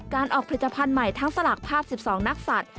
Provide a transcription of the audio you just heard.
การออกผลิตภัณฑ์ใหม่ทั้งสลากภาพ๑๒นักสัตว